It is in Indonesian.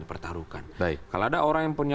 dipertaruhkan kalau ada orang yang punya